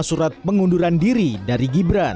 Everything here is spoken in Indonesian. surat pengunduran diri dari gibran